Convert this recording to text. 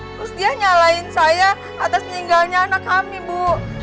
terus dia nyalain saya atas meninggalnya anak kami bu